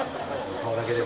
顔だけでも。